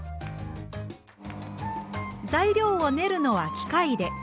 材料を練るのは機械で。